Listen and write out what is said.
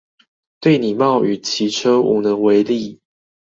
對你冒雨騎車無能為力